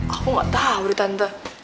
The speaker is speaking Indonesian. aku gak tau tante